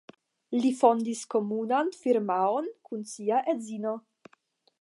Li fondis komunan firmaon kun sia edzino.